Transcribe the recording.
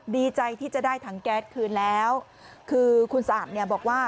ดีใจที่จะได้ถังแก๊สคืนแล้วคือคุณสะอาดเนี่ยบอกว่า